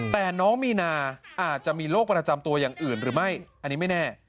แต่น้องมีนาอาจจะมีโรคประจำตัวอย่างอื่นหรือไม่อันนี้ไม่แน่